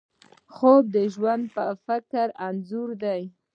خوب د ژور فکر انځور دی